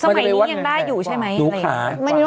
สมัยนี่ยังได้อยู่ใช่ไหม